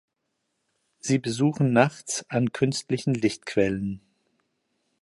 Sie besuchen nachts an künstlichen Lichtquellen.